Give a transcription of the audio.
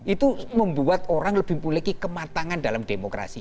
itu membuat orang lebih memiliki kematangan dalam demokrasi